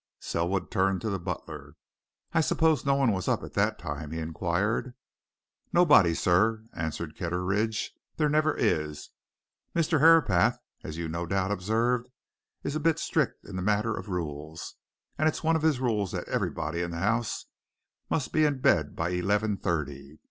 Selwood turned to the butler. "I suppose no one was up at that time?" he inquired. "Nobody, sir," answered Kitteridge. "There never is. Mr. Herapath, as you've no doubt observed, is a bit strict in the matter of rules, and it's one of his rules that everybody in the house must be in bed by eleven thirty.